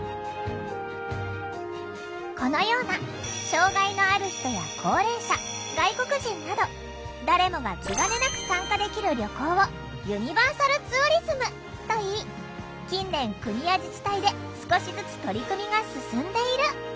このような障害のある人や高齢者外国人など誰もが気がねなく参加できる旅行を「ユニバーサルツーリズム」といい近年国や自治体で少しずつ取り組みが進んでいる。